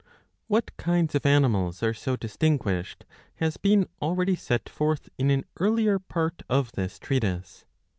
What kinds of animals are so dis tinguished has been already set forth in an earlier part of this treatise.